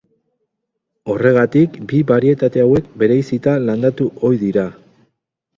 Horregatik bi barietate hauek bereizita landatu ohi dira.